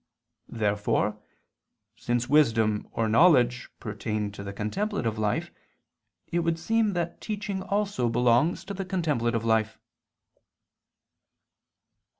Therefore since wisdom or knowledge pertain to the contemplative life, it would seem that teaching also belongs to the contemplative life.